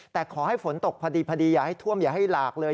แต่ขอให้ฝนตกพอดีอย่าให้ท่วมอย่าให้หลากเลย